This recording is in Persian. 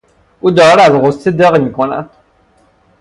او دارد از غصه دق میکند.